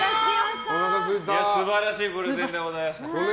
素晴らしいプレゼンでございました。